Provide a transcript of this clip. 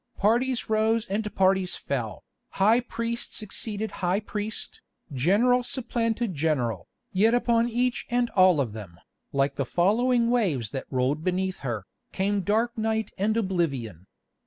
Parties rose and parties fell, high priest succeeded high priest, general supplanted general, yet upon each and all of them, like the following waves that rolled beneath her, came dark night and oblivion.